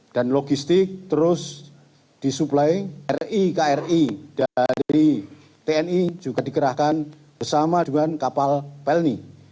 dan logistik terus disuplai ri kri dari tni juga dikerahkan bersama dengan kapal pelni